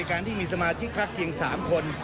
การที่มีสมาชิกพักเพียง๓คน